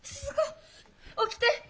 起きて！